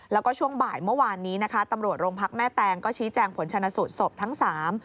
แล้วก็ช่วงบ่ายเมื่อวานนี้นะคะตำรวจโรงพักแม่แตงก็ชี้แจงผลชนะสูตรศพทั้งสาม